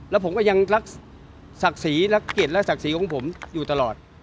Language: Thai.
และผมก็ยังรักษีรักเกียรติรักษีของผมอยู่ตลอด